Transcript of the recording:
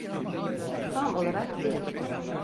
Tam olarak değil.